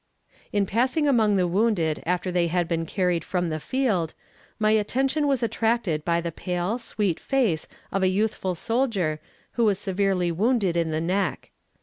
In passing among the wounded after they had been carried from the field, my attention was attracted by the pale, sweet face of a youthful soldier who was severely wounded in the neck.